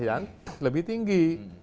yang lebih tinggi